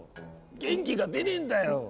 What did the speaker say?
元気が出ねぇんだよ！